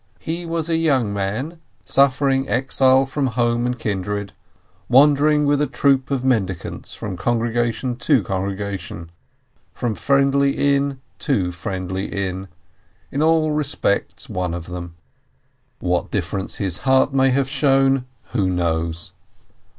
He was a young man, suffering exile from home and kindred, wandering with a troop of mendicants from congregation to congregation, from friendly inn to friendly inn, in all respects one of them. What dif ference his heart may have shown, who knows?